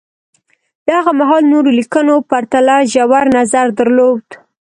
د هغه مهال نورو لیکنو پرتله ژور نظر درلود